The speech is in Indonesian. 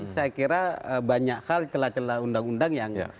saya kira banyak hal celah celah undang undang yang